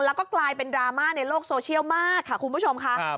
แล้วก็กลายเป็นดราม่าในโลกโซเชียลมากค่ะคุณผู้ชมค่ะ